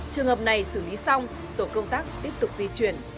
trường hợp này xử lý xong tổ công tác tiếp tục di chuyển